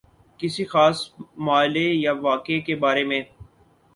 کسی خاص مألے یا واقعے کے بارے میں